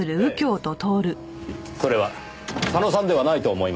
それは佐野さんではないと思いますよ。